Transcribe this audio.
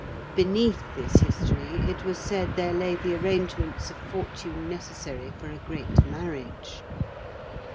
Beneath this history it was said there lay the arrangements of fortune necessary for a great marriage.